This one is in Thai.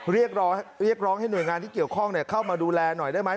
เรียกร้องเรียกร้องให้หน่วยงานที่เกี่ยวข้องเข้ามาดูแลหน่อยได้ไหม